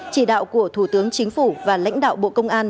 chỉ đạo của thủ tướng chính phủ và lãnh đạo bộ công an